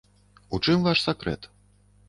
У чым ваш сакрэт?